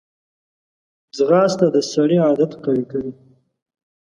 ځغاسته د سړي عادت قوي کوي